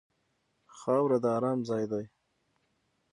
خاوره د ارام ځای دی.